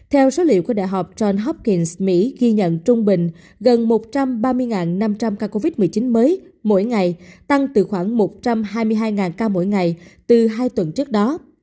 theo số liệu của đại học john hopkings mỹ ghi nhận trung bình gần một trăm ba mươi năm trăm linh ca covid một mươi chín mới mỗi ngày tăng từ khoảng một trăm hai mươi hai ca mỗi ngày từ hai tuần trước đó